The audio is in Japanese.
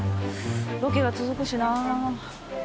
ロケは続くしな。